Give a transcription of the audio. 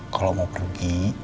kalo mau pergi